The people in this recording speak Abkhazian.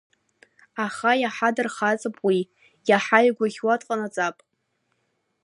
Аха иаҳа дархаҵап уи, иаҳа игәаӷьуа дҟанаҵап.